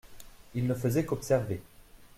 Il ne faisait qu’observer.